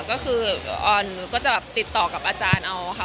ก็คือหนูก็จะติดต่อกับอาจารย์เอาค่ะ